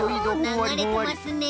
ながれてますね。